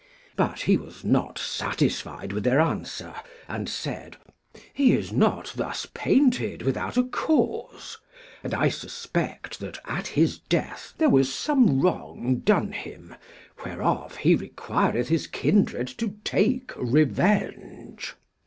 But he was not satisfied with their answer, and said, He is not thus painted without a cause, and I suspect that at his death there was some wrong done him, whereof he requireth his kindred to take revenge.